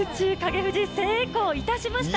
富士成功いたしました。